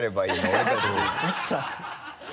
俺たち。